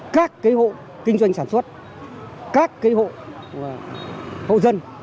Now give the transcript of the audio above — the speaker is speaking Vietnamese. các hộ kinh doanh sản xuất các hộ dân